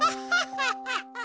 ハハハハハ！